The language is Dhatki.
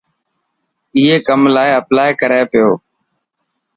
اي ڪم لاءِ اپلائي ڪري پيو.